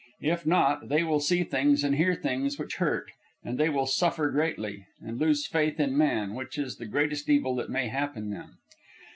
If not, they will see things and hear things which hurt, and they will suffer greatly, and lose faith in man which is the greatest evil that may happen them.